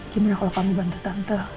gimana kalau kamu bantu tante